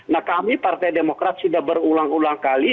nah kami partai demokrat sudah berulang ulang kali